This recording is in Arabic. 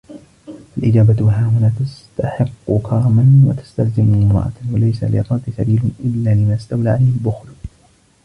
فَالْإِجَابَةُ هَهُنَا تَسْتَحِقُّ كَرْمًا وَتَسْتَلْزِمُ مُرُوءَةً وَلَيْسَ لِلرَّدِّ سَبِيلٌ إلَّا لِمَنْ اسْتَوْلَى عَلَيْهِ الْبُخْلُ